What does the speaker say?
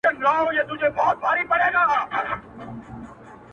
په دريشۍ، نيکټايي او خريلو ږيرو